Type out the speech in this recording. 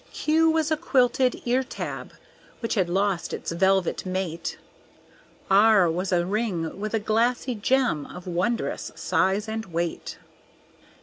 Q was a Quilted ear tab, which had lost its velvet mate; R was a Ring with a glassy gem of wondrous size and weight.